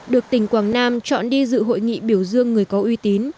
được tỉnh quảng nam chọn đi dự hội nghị biểu dương người có uy tín